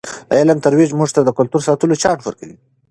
د علم ترویج موږ ته د کلتور د ساتلو چانس ورکوي.